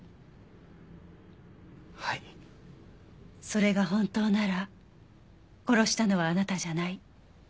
それが本当なら殺したのはあなたじゃない。